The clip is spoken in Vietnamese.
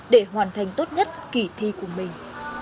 để hoàn thành tốt nhất kỳ thi của mình